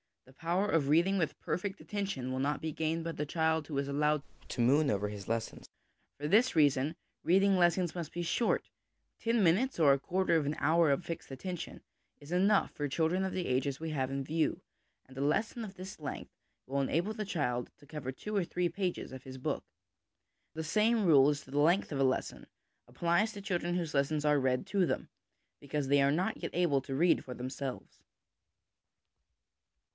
The power of reading with perfect attention will not be gained by the child who is allowed to moon over his lessons. For this reason, reading lessons must be short; ten minutes or a quarter of an hour of fixed attention is enough for children of the ages we have in view, and a lesson of this length will enable a child to cover two or three pages of his book. The same rule as to the length of a lesson applies to children whose lessons are read to them because they are not yet able to read for themselves.